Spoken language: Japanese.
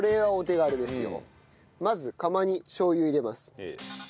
まず釜にしょう油を入れます。